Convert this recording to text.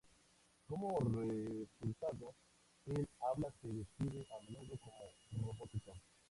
Como resultado, el habla se describe a menudo como "robótica".